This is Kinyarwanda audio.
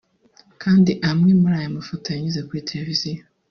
kandi amwe muri ayo mafoto yanyuze kuri televiziyo